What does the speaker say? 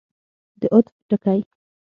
د عطف ټکی.